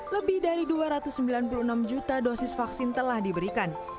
lebih dari dua ratus sembilan puluh enam juta dosis vaksin telah diberikan